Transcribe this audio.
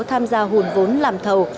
tham gia hùn vốn làm thầu